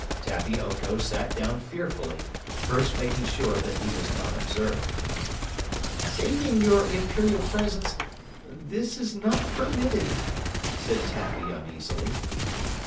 Tappy Oko sat down fearfully, first making sure that he was not observed. "Saving your Imperial Presence, this is not permitted," said Tappy uneasily.